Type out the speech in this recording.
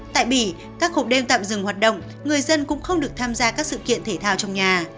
tại bỉ các hộp đêm tạm dừng hoạt động người dân cũng không được tham gia các sự kiện thể thao trong nhà